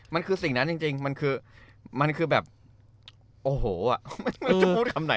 มันคือสิ่งนั้นจริงมันคือแบบโอ้โหจะพูดคำไหน